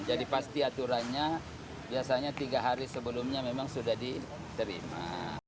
jadi pasti aturannya biasanya tiga hari sebelumnya memang sudah diterima